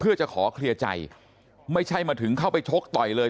เพื่อจะขอเคลียร์ใจไม่ใช่มาถึงเข้าไปชกต่อยเลย